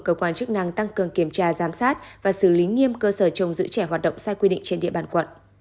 cơ quan chức năng tăng cường kiểm tra giám sát và xử lý nghiêm cơ sở trồng giữ trẻ hoạt động sai quy định trên địa bàn quận